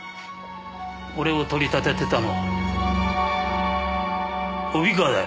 俺を取り立ててたのは帯川だよ。